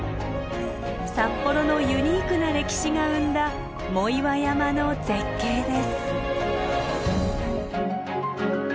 札幌のユニークな歴史が生んだ藻岩山の絶景です。